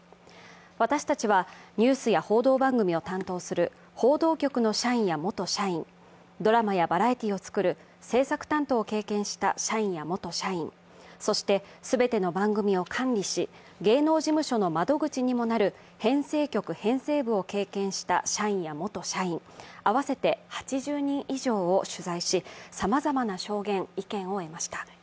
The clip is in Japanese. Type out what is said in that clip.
私たちはニュースや報道番組を担当する報道局社員や元社員、ドラマやバラエティーをつくる制作担当を経験した社員や元社員、そして全ての番組を管理し芸能事務所の窓口にもなる編成局、編成部を経験した社員や元社員、合わせて８０人以上を取材し、さまざまなな証言、意見を得ました。